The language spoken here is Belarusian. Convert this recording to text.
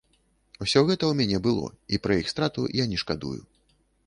Усё гэта ў мяне было і пра іх страту я не шкадую.